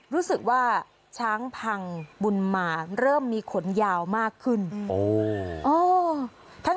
รู้สึกว่าช้างพังบุญมาเริ่มมีขนยาวมากขึ้น